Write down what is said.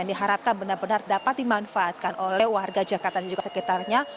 yang diharapkan benar benar dapat dimanfaatkan oleh warga jakarta dan juga sekitarnya